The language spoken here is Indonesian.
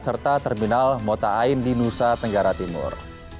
serta terminal mota ain di nusa tenggara timur